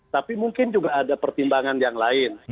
tapi mungkin juga ada pertimbangan yang lain